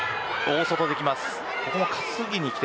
大外できます。